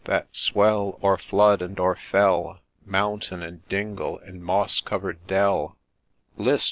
— that swell O'er flood and o'er fell, Mountain, and dingle, and moss cover'd dell I List